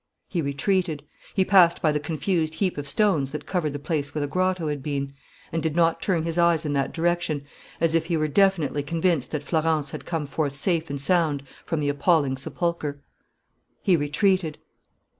He retreated. He passed by the confused heap of stones that covered the place where the grotto had been, and did not turn his eyes in that direction, as if he were definitely convinced that Florence had come forth safe and sound from the appalling sepulchre. He retreated.